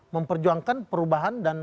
memperjuangkan perubahan dan